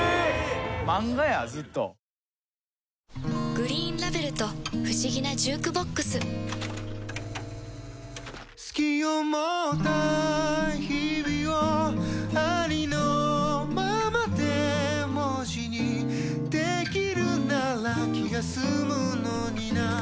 「グリーンラベル」と不思議なジュークボックス“好き”を持った日々をありのままで文字にできるなら気が済むのにな